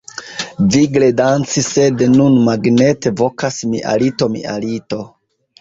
Vigle danci sed nun magnete vokas mia lito mia lito